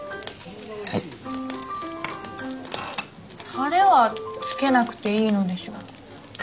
タレはつけなくていいのでしょうか？